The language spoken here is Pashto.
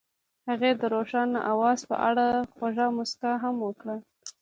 هغې د روښانه اواز په اړه خوږه موسکا هم وکړه.